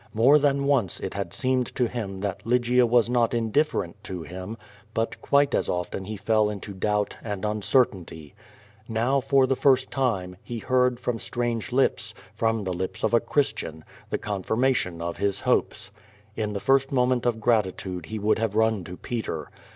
^More than once it had seemed to him that Lygia was not indifferent to him, but (^uitc as often he fell into doubt and uncertainty. Now, for the first time, he heard. 228 QVO VADIS. from stranp:e lips, from the lips of a Christian, the eonfirma tion of his liopes. In the first moment of gratitude he would have run to Peter.